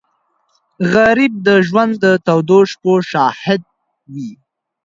غریب د ژوند د تودو شپو شاهد وي